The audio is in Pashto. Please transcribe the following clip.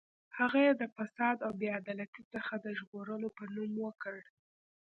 هغه یې د فساد او بې عدالتۍ څخه د ژغورلو په نوم وکړ.